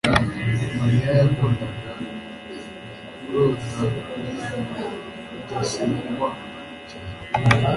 mariya yakundaga kurota kuri rudasingwa cyane